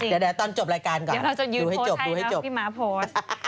เดี๋ยวตอนจบรายการก่อนดูให้จบ